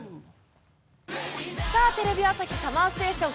テレビ朝日ＳＵＭＭＥＲＳＴＡＴＩＯＮ